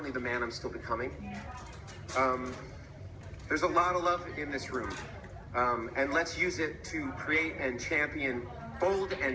ขอบคุณครับครับแคสต์ครูนักแสดงและทีมงาน